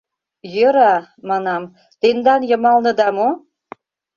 — Йӧра, — манам, — тендан йымалныда мо?